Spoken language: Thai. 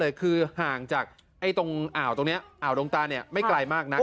แล้วก็ลุงก็คือห่างจากไอตรงอ่าวตรงเนี้ยอ่าวโดนการเนี้ยไม่ไกลมากนัก